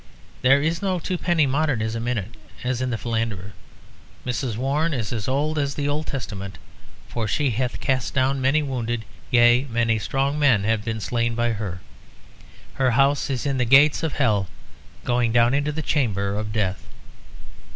There is no twopenny modernism in it, as in The Philanderer. Mrs. Warren is as old as the Old Testament; "for she hath cast down many wounded, yea, many strong men have been slain by her; her house is in the gates of hell, going down into the chamber of death."